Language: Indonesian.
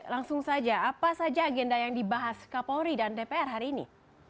langsung saja apa saja agenda yang dibahas kapolri dan dpr hari ini